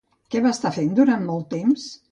Què va estar fent durant molt temps?